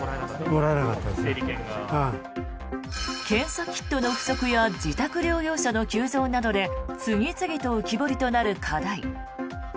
検査キットの不足や自宅療養者の急増などで次々と浮き彫りとなる課題。